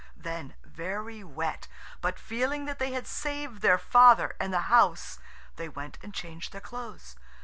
Then, very wet, but feeling that they had saved their Father and the house, they went and changed their clothes.